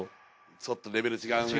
ちょっとレベル違うね。